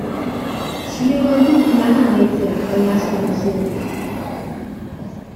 Zure kontu lana amaitzea baina azkar, mesedez.